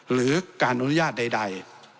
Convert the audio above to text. หรือการอนุญาตใด